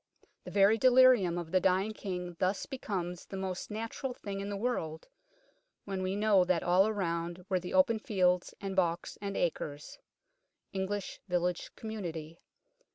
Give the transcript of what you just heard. " The very delirium of the dying King thus becomes the most natural thing in the world when we know that all round were the open fields and balks and acres " (English Village Community).